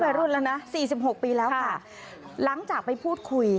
ไม่วัยรุ่นแล้วนะ๔๖ปีแล้วค่ะหลังจากไปพูดคุย